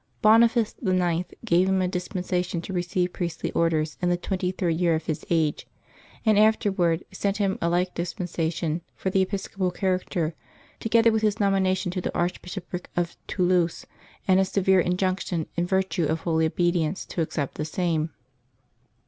Boniface VIII. gave him a dispensation to receive priestly orders in the twenty third year of his age, and afterward sent him a like dispensation for the episcopal character, together with his nomination to the archbishopric of Tou louse, and a severe injunction, in virtue of holy obedience, to accept the same.